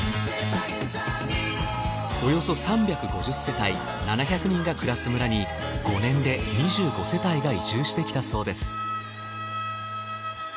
およそ３５０世帯７００人が暮らす村に５年で２５世帯が移住してきたそうです。